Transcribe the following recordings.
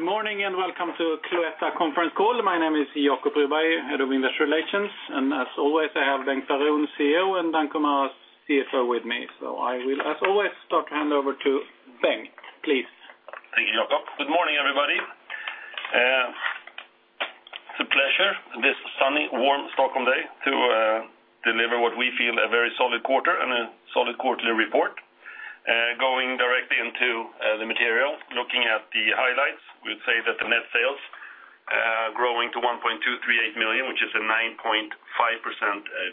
Good morning, and welcome to Cloetta conference call. My name is Jacob Broberg, Head of Investor Relations, and as always, I have Bengt Baron, CEO, and Danko Maras, CFO, with me. I will, as always, start to hand over to Bengt, please. Thank you, Jacob. Good morning, everybody. It's a pleasure, this sunny, warm Stockholm day, to deliver what we feel a very solid quarter and a solid quarterly report. Going directly into the material, looking at the highlights, we'd say that the net sales growing to 1.238 million, which is a 9.5%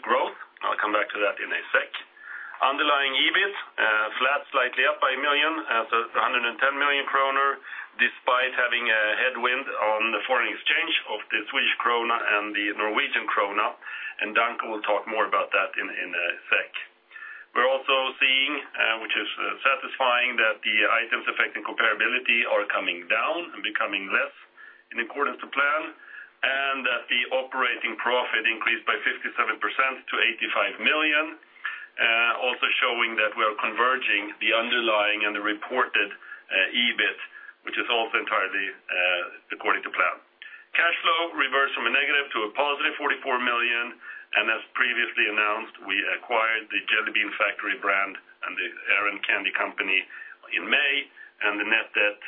growth. I'll come back to that in a sec. Underlying EBIT flat, slightly up by 1 million, so it's 110 million kronor, despite having a headwind on the foreign exchange of the Swedish krona and the Norwegian krona, and Danko will talk more about that in a sec. We're also seeing, which is satisfying, that the items affecting comparability are coming down and becoming less in accordance to plan, and that the operating profit increased by 57% to 85 million, also showing that we are converging the underlying and the reported, EBIT, which is also entirely, according to plan. Cash flow reversed from a negative to a positive 44 million, and as previously announced, we acquired The Jelly Bean Factory brand and Aran Candy Company in May, and the net debt,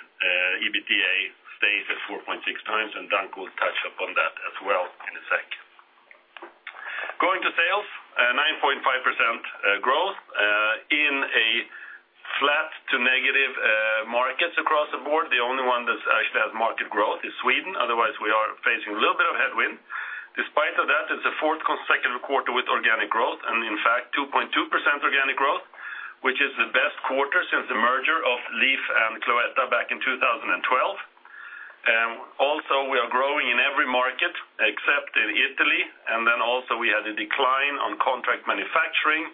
EBITDA stays at 4.6 times, and Danko will touch upon that as well in a sec. Going to sales, 9.5% growth, in a flat to negative markets across the board. The only one that's actually had market growth is Sweden; otherwise, we are facing a little bit of headwind. Despite of that, it's a fourth consecutive quarter with organic growth, and in fact, 2% organic growth, which is the best quarter since the merger of Leaf and Cloetta back in 2012. Also, we are growing in every market except in Italy, and then also we had a decline on contract manufacturing.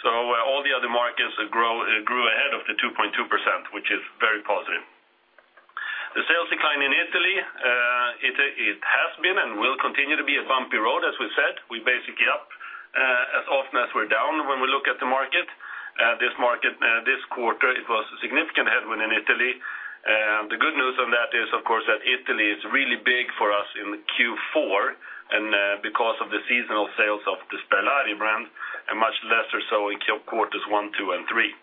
So all the other markets grew ahead of the 2%, which is very positive. The sales decline in Italy, it has been and will continue to be a bumpy road, as we said. We're basically up as often as we're down when we look at the market. This market, this quarter, it was a significant headwind in Italy. The good news on that is, of course, that Italy is really big for us in Q4, and because of the seasonal sales of the Sperlari brand, and much lesser so in quarters one, two, and three.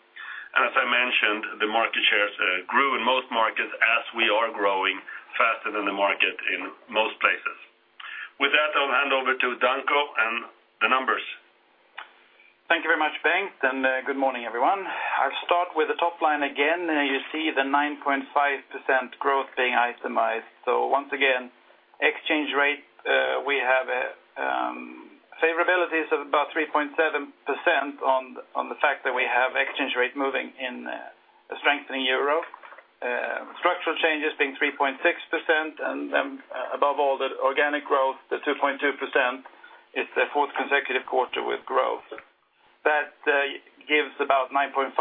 And as I mentioned, the market shares grew in most markets as we are growing faster than the market in most places. With that, I'll hand over to Danko and the numbers. Thank you very much, Bengt, and good morning, everyone. I'll start with the top line again, and you see the 9.5% growth being itemized. So once again, exchange rate, we have favorabilities of about 3.7% on the fact that we have exchange rate moving in a strengthening euro. Structural changes being 3.6%, and above all, the organic growth, the 2.2%, it's a fourth consecutive quarter with growth. That gives about 9.5%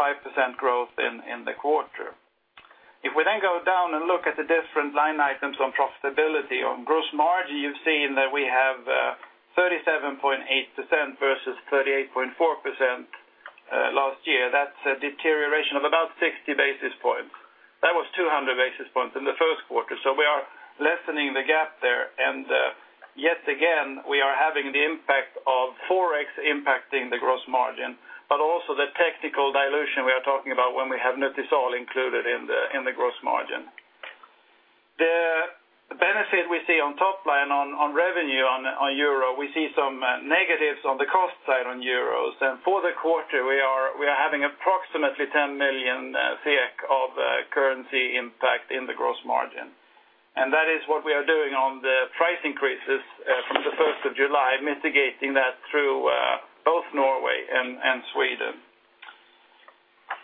growth in the quarter. If we then go down and look at the different line items on profitability, on gross margin, you've seen that we have 37.8% versus 38.4% last year. That's a deterioration of about 60 basis points. That was 200 basis points in the first quarter, so we are lessening the gap there, and yet again, we are having the impact of Forex impacting the gross margin, but also the technical dilution we are talking about when we have Nutisal included in the gross margin. The benefit we see on top line, on revenue, on euro, we see some negatives on the cost side on euros. And for the quarter, we are having approximately 10 million of currency impact in the gross margin. And that is what we are doing on the price increases from the first of July, mitigating that through both Norway and Sweden.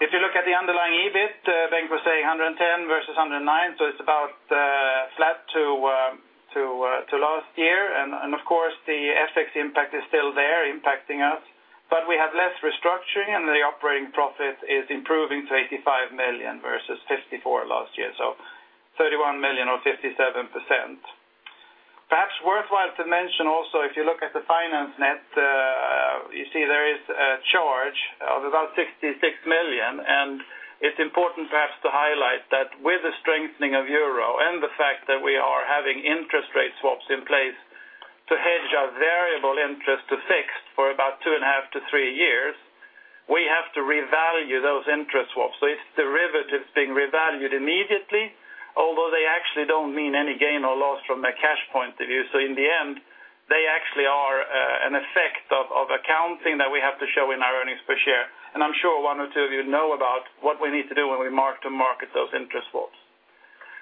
If you look at the underlying EBIT, Bengt was saying 110 versus 109, so it's about flat to last year. And of course, the FX impact is still there impacting us, but we have less restructuring, and the operating profit is improving to 85 million versus 54 million last year, so 31 million or 57%. Perhaps worthwhile to mention also, if you look at the finance net, you see there is a charge of about 66 million, and it's important perhaps to highlight that with the strengthening of euro and the fact that we are having interest rate swaps in place to hedge our variable interest to fixed for about 2.5-3 years, we have to revalue those interest swaps. So it's derivatives being revalued immediately, although they actually don't mean any gain or loss from a cash point of view. So in the end, they actually are an effect of accounting that we have to show in our earnings per share. And I'm sure one or two of you know about what we need to do when we mark to market those interest swaps.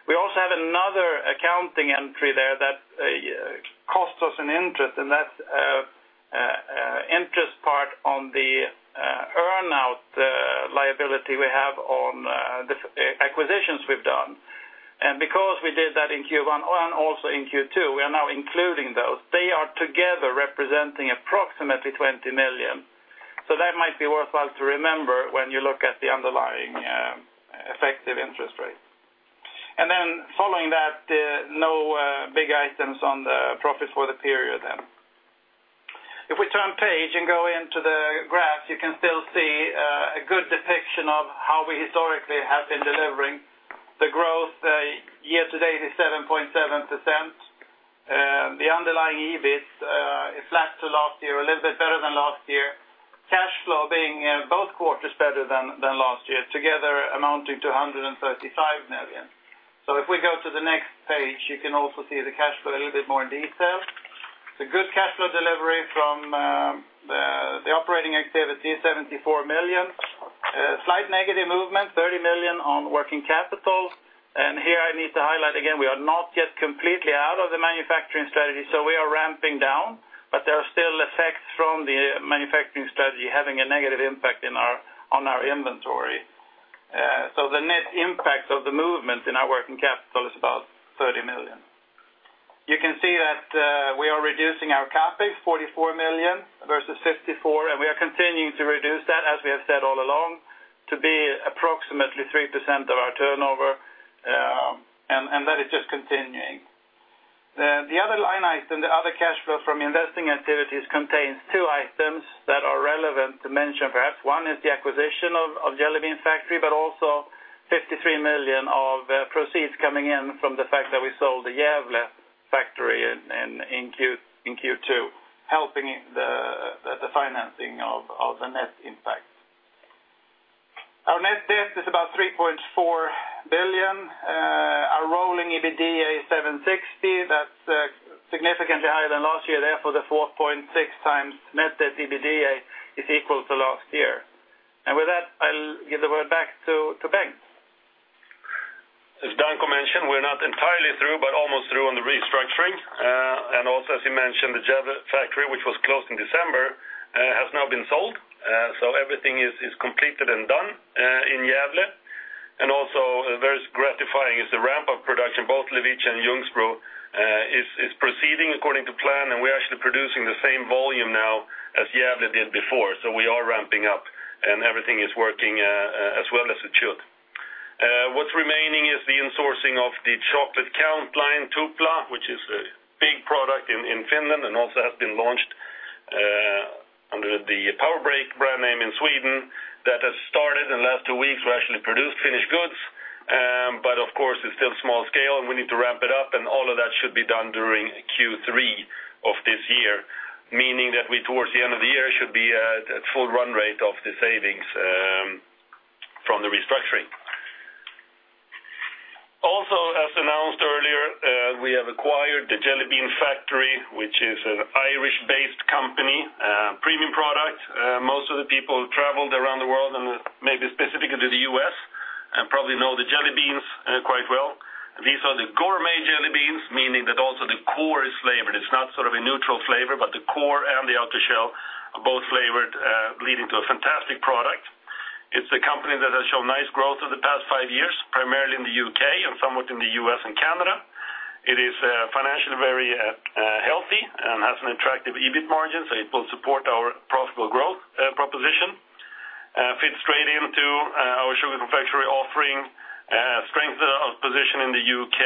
We also have another accounting entry there that costs us an interest, and that's interest part on the earn out liability we have on the acquisitions we've done. And because we did that in Q1 and also in Q2, we are now including those. They are together representing approximately 20 million. So that might be worthwhile to remember when you look at the underlying effective interest rate. Then following that, no big items on the profits for the period then. If we turn page and go into the graphs, you can still see a good depiction of how we historically have been delivering the growth. Year-to-date is 7.7%. The underlying EBIT is flat to last year, a little bit better than last year. Cash flow being both quarters better than last year, together amounting to 135 million. If we go to the next page, you can also see the cash flow a little bit more in detail. The good cash flow delivery from the operating activity, 74 million. Slight negative movement, 30 million on working capital. And here I need to highlight again, we are not yet completely out of the manufacturing strategy, so we are ramping down, but there are still effects from the manufacturing strategy having a negative impact in our, on our inventory. So the net impact of the movement in our working capital is about 30 million. You can see that, we are reducing our CapEx, 44 million versus 54 million, and we are continuing to reduce that, as we have said all along, to be approximately 3% of our turnover, and, and that is just continuing. Then the other line item, the other cash flow from investing activities, contains two items that are relevant to mention. Perhaps one is the acquisition of Jelly Bean Factory, but also 53 million of proceeds coming in from the fact that we sold the Gävle factory in Q2, helping the financing of the net impact. Our net debt is about 3.4 billion, our rolling EBITDA is 760 million. That's significantly higher than last year, therefore, the 4.6 times net debt EBITDA is equal to last year. And with that, I'll give the word back to Bengt. As Danko mentioned, we're not entirely through, but almost through on the restructuring. And also, as he mentioned, the Gävle factory, which was closed in December, has now been sold. So everything is completed and done in Gävle. And also, very gratifying is the ramp-up production, both Levice and Ljungsbro, proceeding according to plan, and we're actually producing the same volume now as Gävle did before. So we are ramping up and everything is working as well as it should. What's remaining is the insourcing of the chocolate count line, Tupla, which is a big product in Finland, and also has been launched under the Power Break brand name in Sweden. That has started. In the last two weeks, we actually produced finished goods, but of course, it's still small scale, and we need to ramp it up, and all of that should be done during Q3 of this year. Meaning that we, towards the end of the year, should be at full run rate of the savings from the restructuring. Also, as announced earlier, we have acquired the Jelly Bean Factory, which is an Irish-based company, premium product. Most of the people traveled around the world and maybe specifically to the U.S., and probably know the jelly beans quite well. These are the gourmet jelly beans, meaning that also the core is flavored. It's not sort of a neutral flavor, but the core and the outer shell are both flavored, leading to a fantastic product. It's a company that has shown nice growth over the past five years, primarily in the U.K. and somewhat in the U.S. and Canada. It is financially very healthy and has an attractive EBIT margin, so it will support our profitable growth proposition. Fits straight into our sugar confectionery offering, strength of position in the U.K.,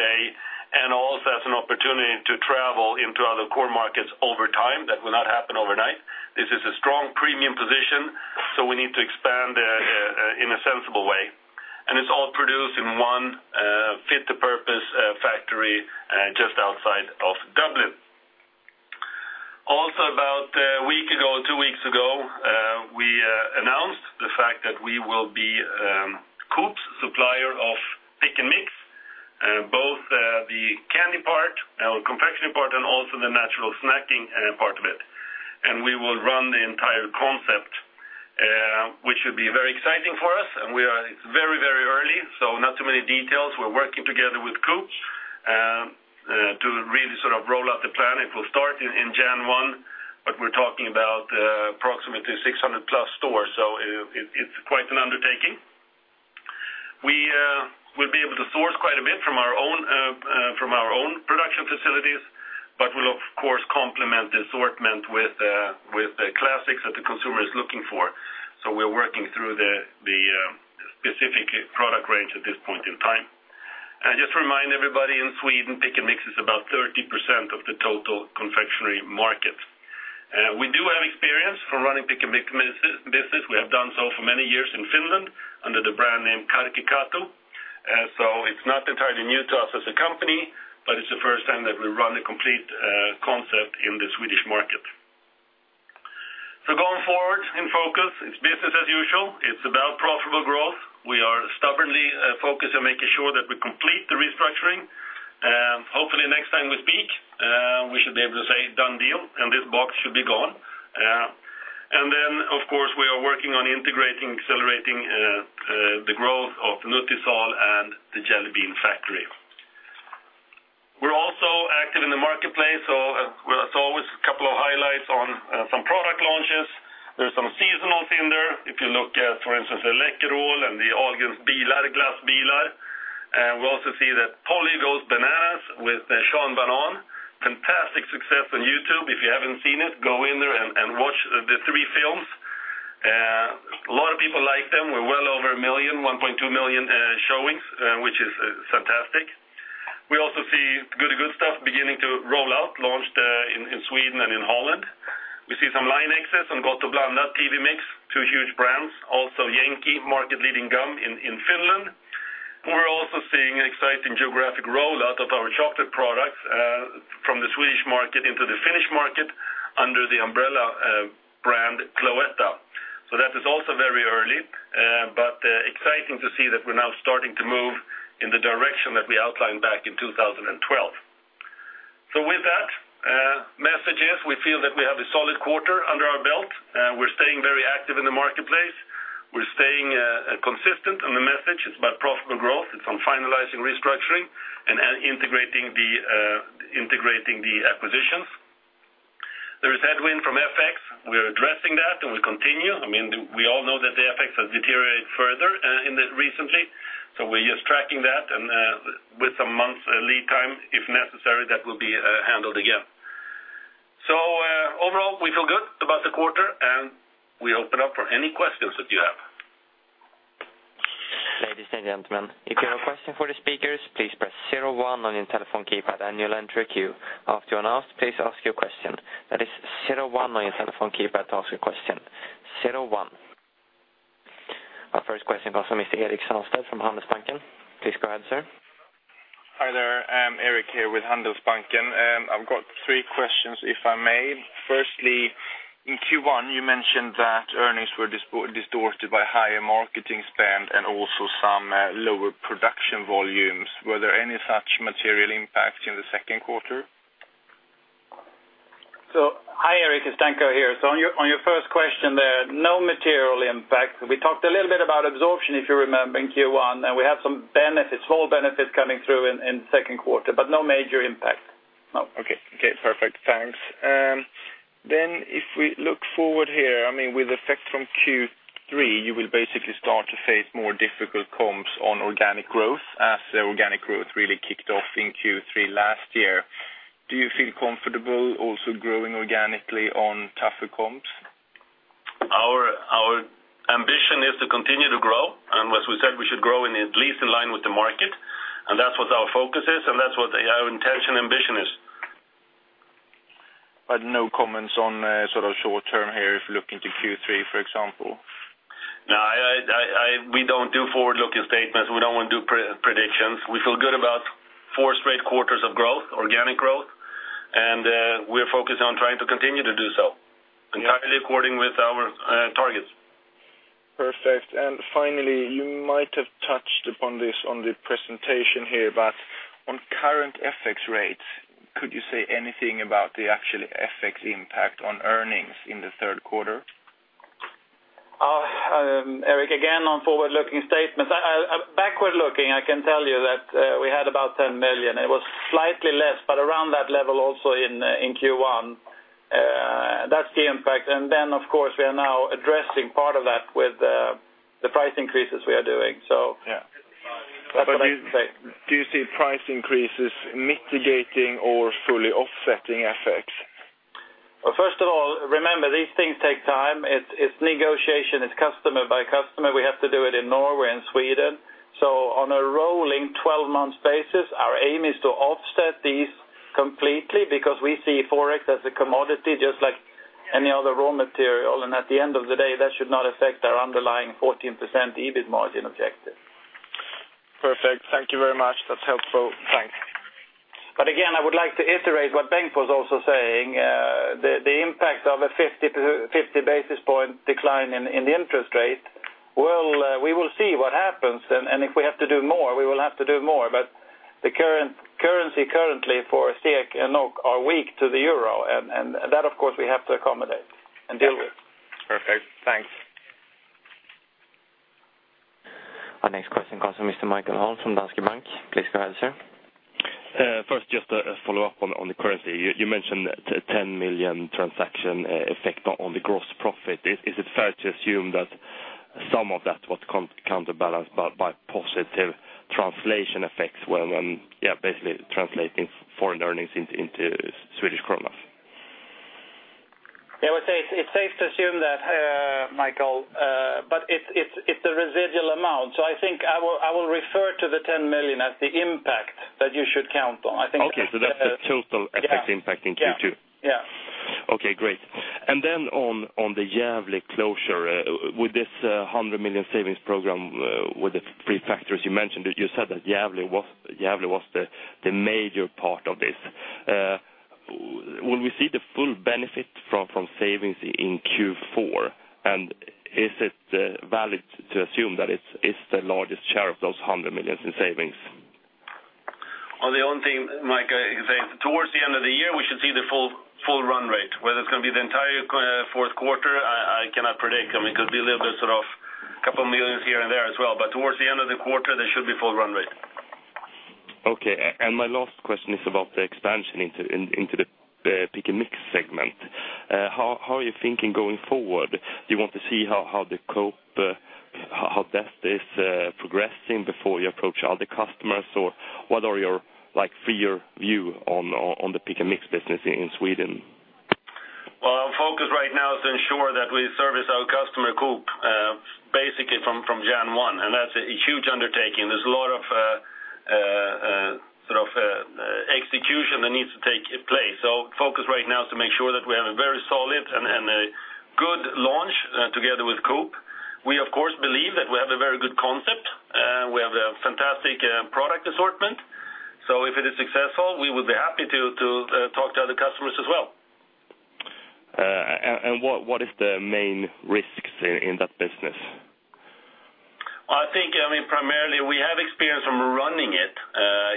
and also as an opportunity to travel into other core markets over time. That will not happen overnight. This is a strong premium position, so we need to expand in a sensible way. And it's all produced in one fit-to-purpose factory just outside of Dublin. Also, about a week ago, two weeks ago, we announced the fact that we will be Coop's supplier of pick and mix, both the candy part, our confectionery part, and also the natural snacking part of it. And we will run the entire concept, which should be very exciting for us, and we are very, very early, so not too many details. We're working together with Coop to really sort of roll out the plan. It will start in January 1, but we're talking about approximately 600+ stores, so it, it's quite an undertaking. We will be able to source quite a bit from our own, from our own production facilities, but we'll, of course, complement the assortment with the classics that the consumer is looking for. We're working through the specific product range at this point in time. Just to remind everybody, in Sweden, pick and mix is about 30% of the total confectionery market. We do have experience for running pick and mix business. We have done so for many years in Finland under the brand name Karkkikatu. It's not entirely new to us as a company, but it's the first time that we run a complete concept in the Swedish market. Going forward in focus, it's business as usual. It's about profitable growth. We are stubbornly focused on making sure that we complete the restructuring. Hopefully, next time we speak, we should be able to say done deal, and this box should be gone. And then, of course, we are working on integrating, accelerating the growth of Nutisal and The Jelly Bean Factory. We're also active in the marketplace, so as always, a couple of highlights on some product launches. There's some seasonal things there. If you look at, for instance, the Läkerol and the Ahlgrens bilar, Glassbilar. And we also see that Polly Goes Bananas with Sean Banan. Fantastic success on YouTube. If you haven't seen it, go in there and watch the three films. A lot of people like them. We're well over a million, 1.2 million showings, which is fantastic. We also see good stuff beginning to roll out, launched in Sweden and in Holland. We see some line access on Gott & Blandat, TV Mix, two huge brands, also Jenkki market leading gum in Finland. We're also seeing an exciting geographic rollout of our chocolate products from the Swedish market into the Finnish market under the umbrella brand Cloetta. So that is also very early, but exciting to see that we're now starting to move in the direction that we outlined back in 2012. So with that, message is, we feel that we have a solid quarter under our belt, and we're staying very active in the marketplace. We're staying consistent on the message. It's about profitable growth. It's on finalizing restructuring and integrating the acquisitions. There is headwind from FX. We are addressing that, and we continue. I mean, we all know that the FX has deteriorated further recently, so we're just tracking that, and with some months' lead time, if necessary, that will be handled again. So, overall, we feel good about the quarter, and we open up for any questions that you have. Ladies and gentlemen, if you have a question for the speakers, please press zero-one on your telephone keypad, and you'll enter a queue. After you're announced, please ask your question. That is zero-one on your telephone keypad to ask a question. Zero one. Our first question comes from Mr. Erik Sandstedt from Handelsbanken. Please go ahead, sir. Hi there, Eric here with Handelsbanken, and I've got three questions, if I may. Firstly, in Q1, you mentioned that earnings were distorted by higher marketing spend and also some lower production volumes. Were there any such material impact in the second quarter? So hi, Erik, it's Danko here. So on your, on your first question, there, no material impact. We talked a little bit about absorption, if you remember, in Q1, and we have some benefits, small benefits coming through in, in the second quarter, but no major impact. No. Okay. Okay, perfect. Thanks. Then, if we look forward here, I mean, with effect from Q3, you will basically start to face more difficult comps on organic growth, as the organic growth really kicked off in Q3 last year. Do you feel comfortable also growing organically on tougher comps? Our ambition is to continue to grow, and as we said, we should grow at least in line with the market, and that's what our focus is, and that's what our intention and ambition is. But no comments on sort of short term here, if you look into Q3, for example? No, we don't do forward-looking statements. We don't want to do pre-predictions. We feel good about four straight quarters of growth, organic growth, and we're focused on trying to continue to do so, entirely according with our targets. Perfect. Finally, you might have touched upon this on the presentation here, but on current FX rates, could you say anything about the actual FX impact on earnings in the third quarter? Eric, again, on forward-looking statements. Backward-looking, I can tell you that we had about 10 million. It was slightly less, but around that level also in Q1. That's the impact. And then, of course, we are now addressing part of that with the price increases we are doing, so- Yeah. That's what I say. Do you see price increases mitigating or fully offsetting effects? Well, first of all, remember, these things take time. It's negotiation. It's customer by customer. We have to do it in Norway and Sweden. So on a rolling 12-month basis, our aim is to offset these completely because we see Forex as a commodity, just like any other raw material, and at the end of the day, that should not affect our underlying 14% EBIT margin objective. Perfect. Thank you very much. That's helpful. Thanks. But again, I would like to iterate what Bengt was also saying, the impact of a 50-50 basis point decline in the interest rate. Well, we will see what happens, and if we have to do more, we will have to do more. But the current currency for SEK and NOK are weak to the euro, and that, of course, we have to accommodate and deal with. Perfect. Thanks. Our next question comes from Mr. Mikael Holm from Danske Bank. Please go ahead, sir. First, just a follow-up on the currency. You mentioned 10 million transaction effect on the gross profit. Is it fair to assume that some of that was counterbalanced by positive translation effects when basically translating foreign earnings into Swedish kronor? Yeah, I would say it's safe to assume that, Mikael, but it's a residual amount. So I think I will refer to the 10 million as the impact that you should count on. I think- Okay, so that's the total effect impacting Q2? Yeah. Okay, great. And then on the Gävle closure, with this 100 million savings program, with the three factors you mentioned, you said that Gävle was the major part of this. Will we see the full benefit from savings in Q4? And is it valid to assume that it's the largest share of those 100 millions in savings? Well, the only thing, Mike, I say, towards the end of the year, we should see the full, full run rate. Whether it's going to be the entire fourth quarter, I cannot predict. I mean, it could be a little bit sort of couple millions here and there as well, but towards the end of the quarter, there should be full run rate. Okay. And my last question is about the expansion into the pick and mix segment. How are you thinking going forward? Do you want to see how the Coop is progressing before you approach other customers? Or what are your, like, for your view on the pick and mix business in Sweden? ...Well, our focus right now is to ensure that we service our customer, Coop, basically from January 1, and that's a huge undertaking. There's a lot of, sort of, execution that needs to take place. So focus right now is to make sure that we have a very solid and a good launch together with Coop. We, of course, believe that we have a very good concept, and we have a fantastic product assortment. So if it is successful, we would be happy to talk to other customers as well. And what is the main risks in that business? I think, I mean, primarily, we have experience from running it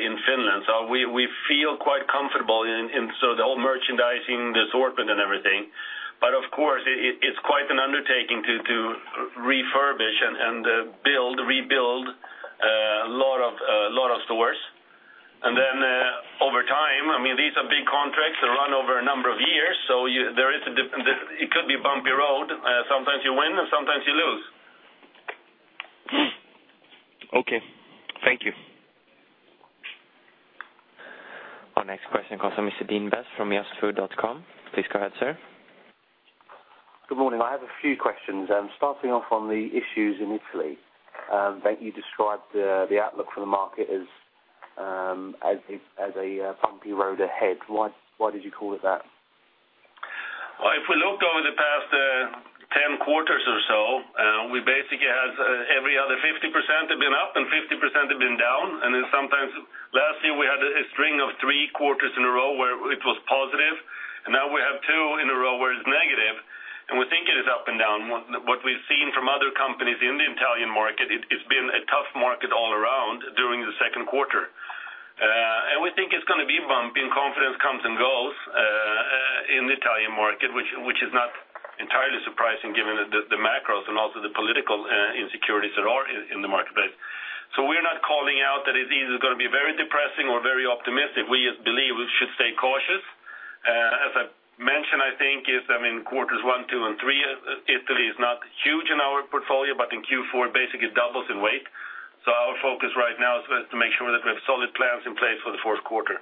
in Finland, so we feel quite comfortable in so the whole merchandising, the assortment and everything. But of course, it's quite an undertaking to refurbish and rebuild a lot of stores. And then over time, I mean, these are big contracts that run over a number of years, so it could be a bumpy road. Sometimes you win, and sometimes you lose. Okay, thank you. Our next question comes from Mr. Dean Best from just-food.com. Please go ahead, sir. Good morning. I have a few questions. Starting off on the issues in Italy that you described, the outlook for the market as a bumpy road ahead. Why did you call it that? Well, if we look over the past 10 quarters or so, we basically has every other 50% have been up and 50% have been down, and then sometimes, last year, we had a string of three quarters in a row where it was positive, and now we have two in a row where it's negative, and we think it is up and down. What we've seen from other companies in the Italian market, it's been a tough market all around during the second quarter. And we think it's gonna be bumpy, and confidence comes and goes in the Italian market, which is not entirely surprising given the macros and also the political insecurities that are in the marketplace. So we're not calling out that it's either gonna be very depressing or very optimistic. We just believe we should stay cautious. As I mentioned, I think, I mean, quarters 1, 2, and 3, Italy is not huge in our portfolio, but in Q4, it basically doubles in weight. So our focus right now is to make sure that we have solid plans in place for the fourth quarter.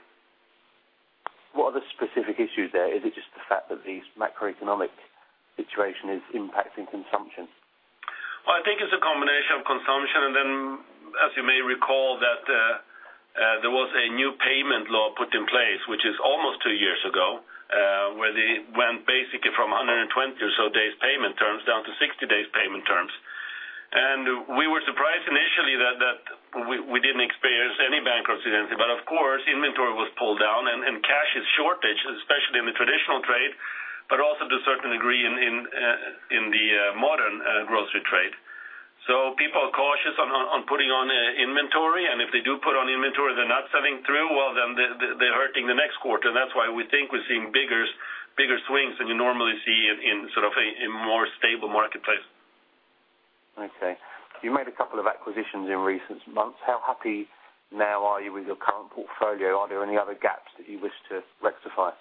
What are the specific issues there? Is it just the fact that the macroeconomic situation is impacting consumption? Well, I think it's a combination of consumption, and then, as you may recall that there was a new payment law put in place, which is almost two years ago, where they went basically from 120 or so days payment terms down to 60 days payment terms. And we were surprised initially that we didn't experience any bankruptcy, but of course, inventory was pulled down, and cash shortage, especially in the traditional trade, but also to a certain degree in the modern grocery trade. So people are cautious on putting on inventory, and if they do put on inventory, they're not selling through; well, then they're hurting the next quarter. That's why we think we're seeing bigger, bigger swings than you normally see in, in sort of a, in more stable marketplace. Okay. You made a couple of acquisitions in recent months. How happy now are you with your current portfolio? Are there any other gaps that you wish to rectify?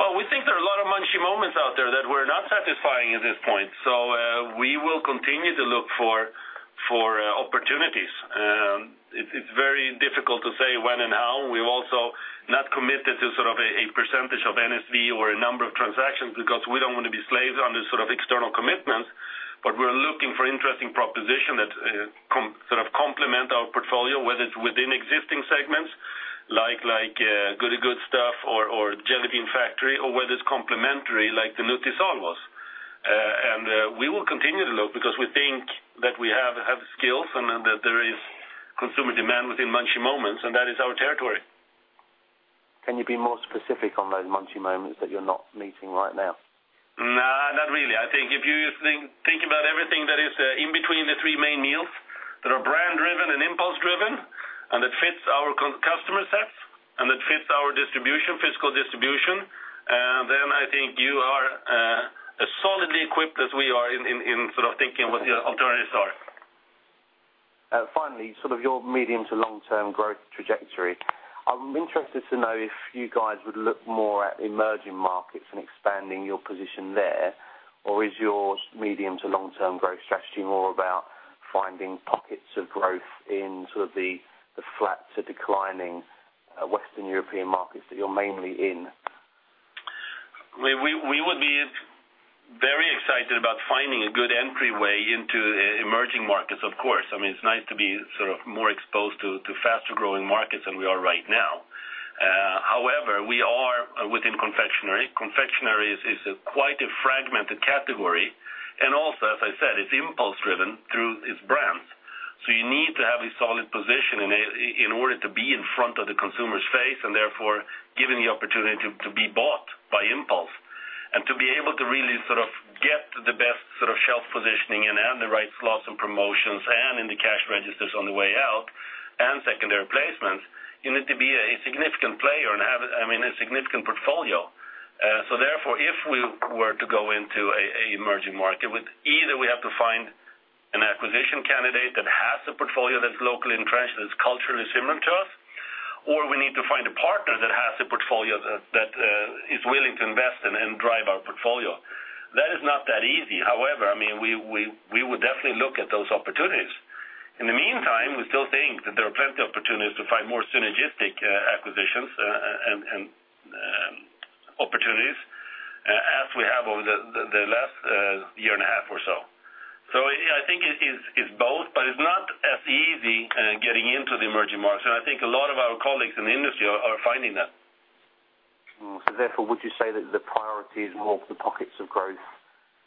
Well, we think there are a lot of munchy moments out there that we're not satisfying at this point, so we will continue to look for opportunities. It's very difficult to say when and how. We've also not committed to sort of a percentage of NSV or a number of transactions because we don't want to be slaves on this sort of external commitments, but we're looking for interesting proposition that sort of complement our portfolio, whether it's within existing segments, like Goody Good Stuff or Jelly Bean Factory, or whether it's complementary, like the Nutisal was. We will continue to look because we think that we have skills and that there is consumer demand within munchy moments, and that is our territory. Can you be more specific on those munchy moments that you're not meeting right now? Nah, not really. I think if you think about everything that is in between the three main meals that are brand driven and impulse driven, and it fits our customer sets, and it fits our distribution, physical distribution, then I think you are as solidly equipped as we are in sort of thinking what the alternatives are. Finally, sort of your medium to long-term growth trajectory. I'm interested to know if you guys would look more at emerging markets and expanding your position there, or is your medium to long-term growth strategy more about finding pockets of growth in sort of the flat to declining Western European markets that you're mainly in? We would be very excited about finding a good entryway into emerging markets, of course. I mean, it's nice to be sort of more exposed to faster-growing markets than we are right now. However, we are within confectionery. Confectionery is quite a fragmented category, and also, as I said, it's impulse driven through its brands. So you need to have a solid position in order to be in front of the consumer's face, and therefore, given the opportunity to be bought by impulse. And to be able to really sort of get the best sort of shelf positioning and the right slots and promotions, and in the cash registers on the way out, and secondary placements, you need to be a significant player and have, I mean, a significant portfolio. So therefore, if we were to go into an emerging market, with either we have to find an acquisition candidate that has a portfolio that's locally entrenched, that's culturally similar to us, or we need to find a partner that has the portfolio that is willing to invest in and drive. That is not that easy. However, I mean, we would definitely look at those opportunities. In the meantime, we still think that there are plenty of opportunities to find more synergistic acquisitions and opportunities as we have over the last year and a half or so. So I think it's both, but it's not as easy getting into the emerging markets, and I think a lot of our colleagues in the industry are finding that. Mm. So therefore, would you say that the priority is more the pockets of growth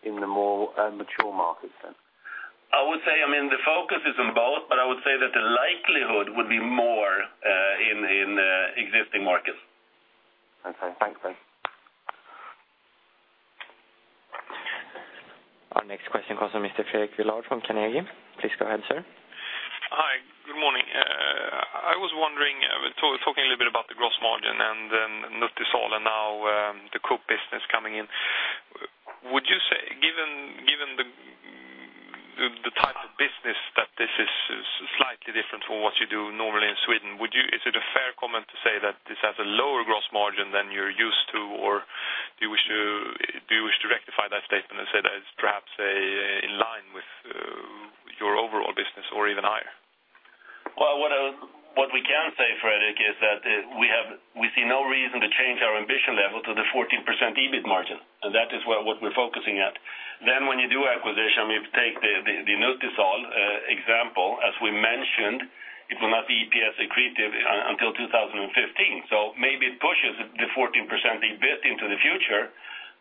in the more mature markets then? I would say, I mean, the focus is on both, but I would say that the likelihood would be more in existing markets. Okay. Thanks then. Our next question comes from Mr. Fredrik Villard from Carnegie. Please go ahead, sir. Hi, good morning. I was wondering, talking a little bit about the gross margin and then Nutisal, and now, the Coop business coming in. Would you say, given, given the, the type of business, that this is slightly different from what you do normally in Sweden, would you—is it a fair comment to say that this has a lower gross margin than you're used to? Or do you wish to, do you wish to rectify that statement and say that it's perhaps, in line with, your overall business or even higher? Well, what I, what we can say, Fredrik, is that, we have, we see no reason to change our ambition level to the 14% EBIT margin, and that is where what we're focusing at. Then, when you do acquisition, we have to take the Nutisal example, as we mentioned, it will not be EPS accretive until 2015. So maybe it pushes the 14% EBIT into the future,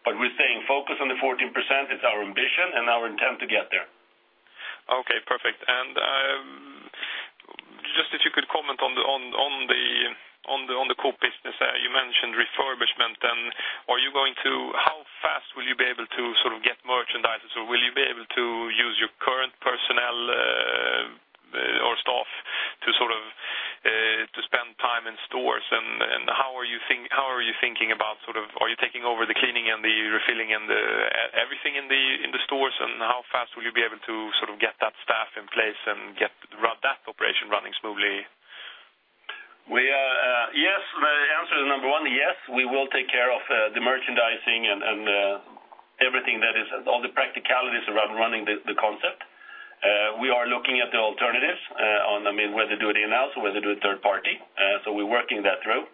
but we're saying focus on the 14%. It's our ambition and our intent to get there. Okay, perfect. And just if you could comment on the Coop business. You mentioned refurbishment, and are you going to... How fast will you be able to sort of get merchandisers, or will you be able to use your current personnel or staff to sort of to spend time in stores? And how are you thinking about sort of—are you taking over the cleaning and the refilling and the everything in the stores? And how fast will you be able to sort of get that staff in place and get that operation running smoothly? We are, yes. The answer to number one, yes, we will take care of the merchandising and, and, everything that is, all the practicalities around running the concept. We are looking at the alternatives, on, I mean, whether to do it in-house or whether to do a third party. So we're working that through.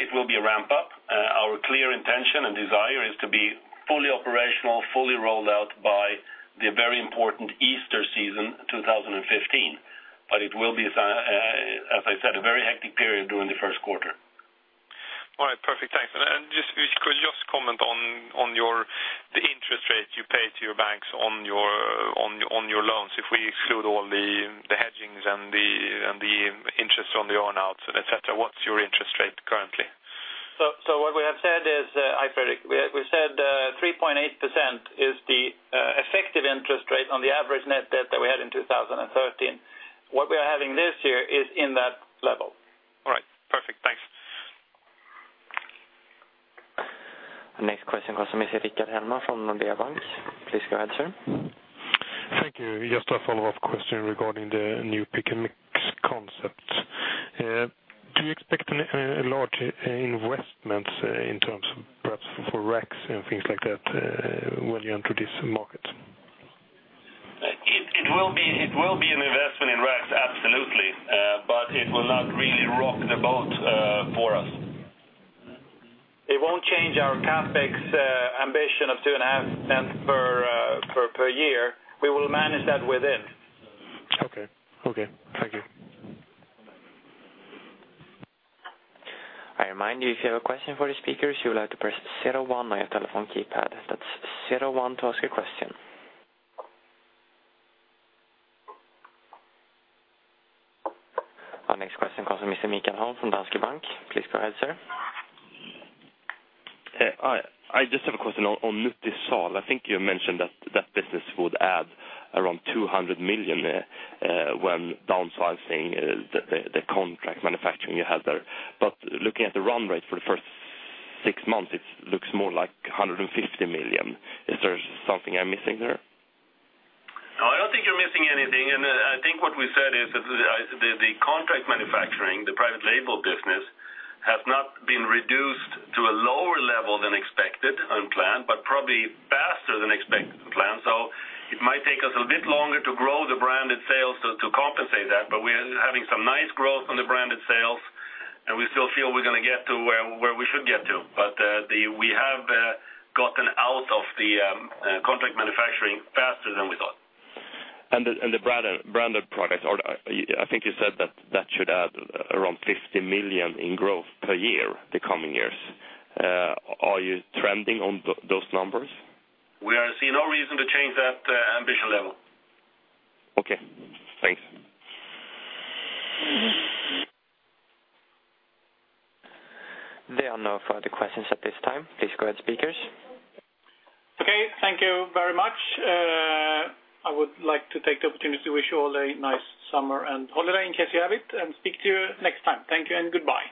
It will be a ramp up. Our clear intention and desire is to be fully operational, fully rolled out by the very important Easter season, 2015. But it will be, as I said, a very hectic period during the first quarter. All right, perfect. Thanks. And just, if you could just comment on the interest rate you pay to your banks on your loans. If we exclude all the hedging and the interest on the earn-outs, et cetera, what's your interest rate currently? What we have said is, hi, Fredrik. We said, 3.8% is the effective interest rate on the average net debt that we had in 2013. What we are having this year is in that level. All right. Perfect. Thanks. The next question comes from Mr. Rickard Hellman from Nordea Bank. Please go ahead, sir. Thank you. Just a follow-up question regarding the new pick and mix concept. Do you expect any large investments in terms of perhaps for racks and things like that when you enter this market? It will be an investment in racks, absolutely. But it will not really rock the boat for us. It won't change our CapEx ambition of 2.5% per year. We will manage that within. Okay. Okay. Thank you. I remind you, if you have a question for the speakers, you will have to press zero one on your telephone keypad. That's zero one to ask a question. Our next question comes from Mr. Mikael Holm from Danske Bank. Please go ahead, sir. I just have a question on Nutisal. I think you mentioned that that business would add around 200 million when downsizing the contract manufacturing you had there. But looking at the run rate for the first six months, it looks more like 150 million. Is there something I'm missing there? No, I don't think you're missing anything. And, I think what we said is that the contract manufacturing, the private label business, has not been reduced to a lower level than expected on plan, but probably faster than expected plan. So it might take us a bit longer to grow the branded sales to compensate that, but we are having some nice growth on the branded sales, and we still feel we're going to get to where we should get to. But, we have gotten out of the contract manufacturing faster than we thought. And the branded products are... I think you said that should add around 50 million in growth per year, the coming years. Are you trending on those numbers? We see no reason to change that ambition level. Okay, thanks. There are no further questions at this time. Please go ahead, speakers. Okay, thank you very much. I would like to take the opportunity to wish you all a nice summer and holiday, in case you have it, and speak to you next time. Thank you and goodbye.